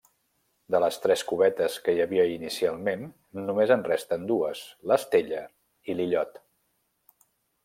De les tres cubetes que hi havia inicialment només en resten dues: l’Estella i l’Illot.